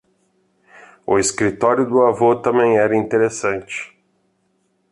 O escritório do avô também era interessante.